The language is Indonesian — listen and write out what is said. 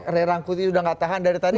rerangkuti sudah tidak tahan dari tadi